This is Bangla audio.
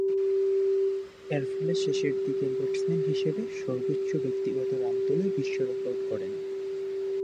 এরফলে শেষের দিকের ব্যাটসম্যান হিসেবে সর্বোচ্চ ব্যক্তিগত রান তুলে বিশ্বরেকর্ড গড়েন।